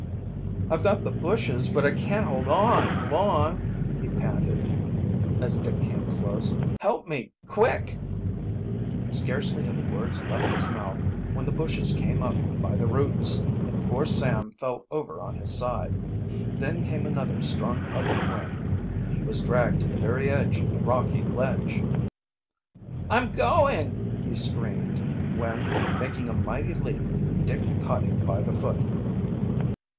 "I've got the bushes, but I can't hold on long!" he panted, as Dick came close. "Help me, quick!" Scarcely had the words left his mouth when the bushes came up by the roots and poor Sam fell over on his side. Then came another strong puff of wind, and he was dragged to the very edge of the rocky ledge! "I'm going!" he screamed, when, making a mighty leap, Dick caught him by the foot.